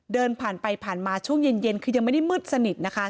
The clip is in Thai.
เดินผ่านไปผ่านมาช่วงเย็นคือยังไม่ได้มืดสนิทนะคะ